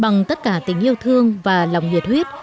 bằng tất cả tình yêu thương và lòng nhiệt huyết